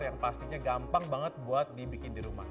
yang pastinya gampang banget buat dibikin di rumah